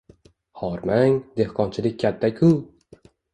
Hormang, dehqonchilik katta-ku!